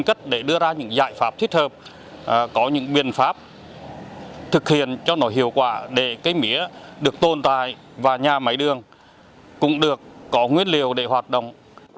trước khi đưa ra những giải pháp thích hợp các nhà máy đường đã đưa ra những biện pháp thực hiện cho nó hiệu quả để cây mía được tồn tại và nhà máy đường cũng được có nguyên liều để hoạt động